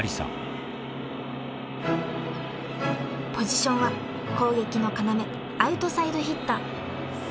［ポジションは攻撃の要アウトサイドヒッター］